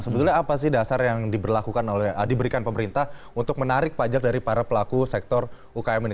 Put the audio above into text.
sebetulnya apa sih dasar yang diberikan pemerintah untuk menarik pajak dari para pelaku sektor ukm ini